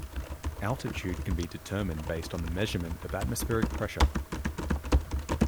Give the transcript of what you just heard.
Altitude can be determined based on the measurement of atmospheric pressure.